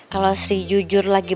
kalau sri jujur lagi